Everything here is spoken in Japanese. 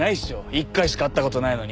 １回しか会った事ないのに。